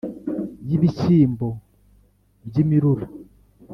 y'ibishyimbo by 'imirura